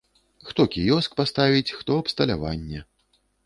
Хто кіёск паставіць, хто абсталяванне.